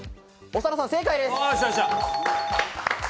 長田さん正解です。